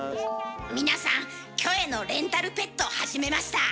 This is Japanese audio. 皆さんキョエのレンタルペット始めました。